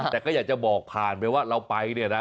แต่ก็อยากจะบอกผ่านไปว่าเราไปเนี่ยนะ